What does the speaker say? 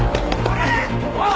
おい！